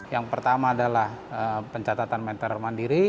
yang pertama adalah pencatatan meter mandiri